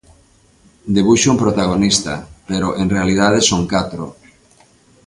Debuxo un protagonista, pero en realidade son catro.